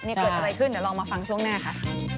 นี่เกิดอะไรขึ้นเดี๋ยวลองมาฟังช่วงหน้าค่ะ